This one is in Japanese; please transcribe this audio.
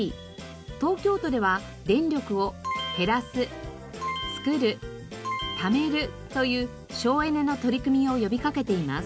東京都では電力を「へらす」「つくる」「ためる」という省エネの取り組みを呼び掛けています。